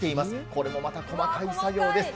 これもまた細かい作業です。